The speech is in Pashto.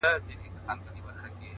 زه دې د سندرو په الله مئين يم!